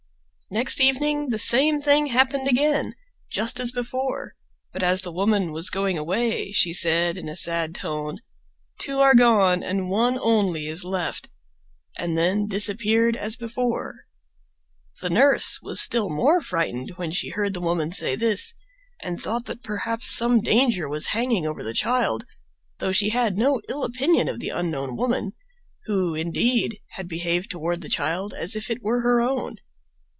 Next evening the same thing happened again, just as before, but as the woman was going away she said in a sad tone, "Two are gone and one only is left," and then disappeared as before. The nurse was still more frightened when she heard the woman say this, and thought that perhaps some danger was hanging over the child, though she had no ill opinion of the unknown woman, who, indeed, had behaved toward the child as if it were her own.